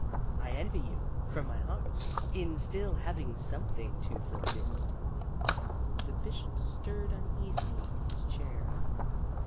I envy you, from my heart, in still having something to forbid." The Bishop stirred uneasily in his chair.